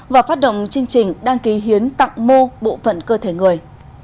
và phát động chương trình đăng ký hiến tặng mô bộ phận cơ thể người